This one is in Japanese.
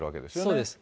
そうです。